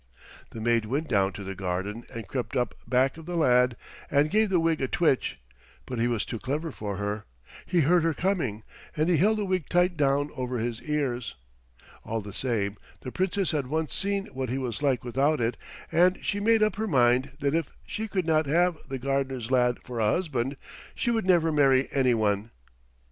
The maid went down to the garden and crept up back of the lad and gave the wig a twitch, but he was too clever for her. He heard her coming, and he held the wig tight down over his ears. All the same the Princess had once seen what he was like without it, and she made up her mind that if she could not have the gardener's lad for a husband she would never marry any one.